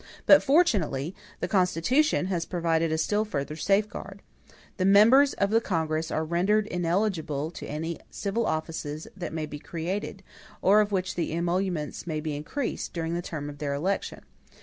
But, fortunately, the Constitution has provided a still further safeguard. The members of the Congress are rendered ineligible to any civil offices that may be created, or of which the emoluments may be increased, during the term of their election.